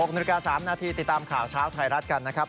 ๖นาฬิกา๓นาทีติดตามข่าวเช้าไทยรัฐกันนะครับ